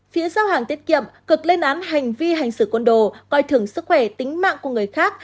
phía giao hàng tiết kiệm cực lên án hành vi hành xử côn đồ coi thường sức khỏe tính mạng của người khác